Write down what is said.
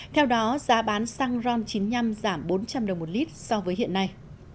theo đó giá bán xăng ron chín mươi năm giảm bốn trăm linh đồng một lít so với hiện nay